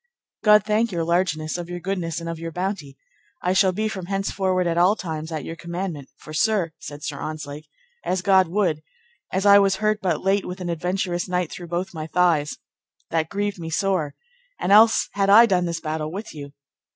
God thank your largeness of your goodness and of your bounty, I shall be from henceforward at all times at your commandment; for, sir, said Sir Ontzlake, as God would, as I was hurt but late with an adventurous knight through both my thighs, that grieved me sore, and else had I done this battle with you.